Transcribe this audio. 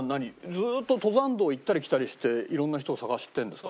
ずっと登山道を行ったり来たりしていろんな人を探してるんですか？